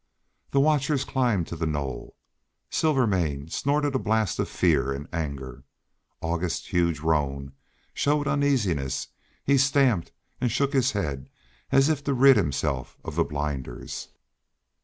The watchers climbed to the knoll. Silvermane snorted a blast of fear and anger. August's huge roan showed uneasiness; he stamped, and shook his head, as if to rid himself of the blinders.